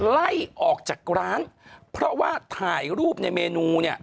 ไล่ออกจากร้านเพราะว่าถ่ายรูปในเมนูเนี่ย